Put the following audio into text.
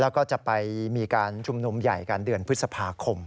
แล้วก็จะไปมีการชุมนุมใหญ่กันเดือนพฤษภาคม